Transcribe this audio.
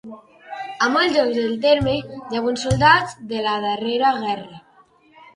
A molts llocs del terme jauen soldats de la darrera guerra.